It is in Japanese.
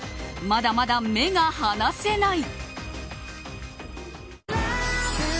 まだまだ、目が離せない。